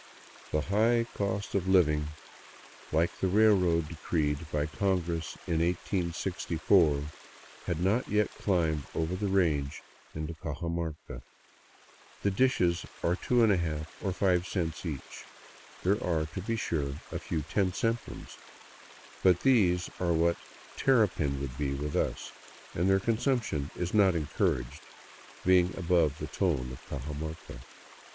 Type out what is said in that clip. " The high cost of living, like the railroad decreed by congress in 1864, had not yet climbed over the range into Cajamarca. The dishes are 2^/^ or five cents each. There are, to be sure, a few ten cent ones, but these are what terrapin would be with us, and their consumption is not encouraged, being above the tone of Cajamarca.